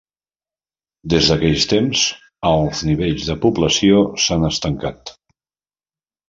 Des d'aquell temps, els nivells de població s'han estancat.